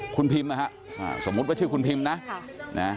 คุณพิมนะฮะสมมุติว่าชื่อคุณพิมนะ